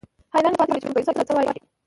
حيران پاتې و چې پروفيسر ته به څه وايي.